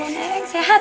ya allah neng sehat